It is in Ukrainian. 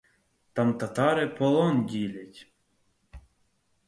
Там татари полон ділять.